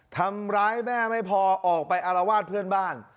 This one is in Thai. ทำร้ายแม่ไม่พอออกไปอารวาสเพื่อนบ้าน